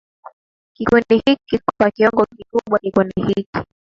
kikundi hiki Kwa kiwango kikubwa kikundi hiki